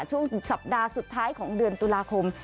ช่วงสัปดาห์สุดท้ายของเดือนตุลาคม